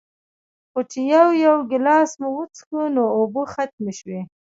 خو چې يو يو ګلاس مو وڅښو نو اوبۀ ختمې شوې